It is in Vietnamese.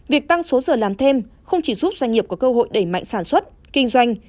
việc tăng số giờ làm thêm không chỉ giúp doanh nghiệp có cơ hội đẩy mạnh sản xuất kinh doanh